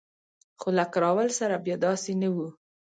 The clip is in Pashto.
خو له کراول سره بیا داسې نه وو.